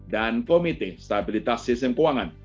dan komite stabilitas sistem keuangan